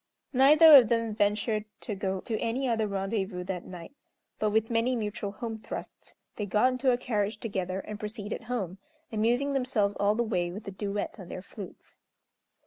Neither of them ventured to go to any other rendezvous that night; but, with many mutual home thrusts, they got into a carriage together, and proceeded home, amusing themselves all the way with a duet on their flutes.